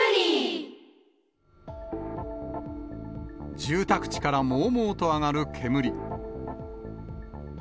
住宅地からもうもうと上がる煙。